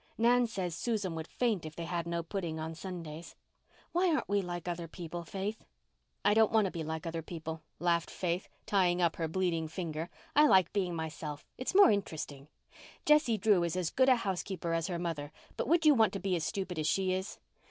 Nan says Susan would faint if they had no pudding on Sundays. Why aren't we like other people, Faith?" "I don't want to be like other people," laughed Faith, tying up her bleeding finger. "I like being myself. It's more interesting. Jessie Drew is as good a housekeeper as her mother, but would you want to be as stupid as she is?"